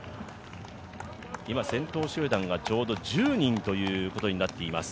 今、先頭集団がちょうど１０人ということになっています。